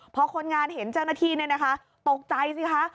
พอคนงานเห็นเจ้าหน้าที่เนี่ยนะคะตกใจสิคะ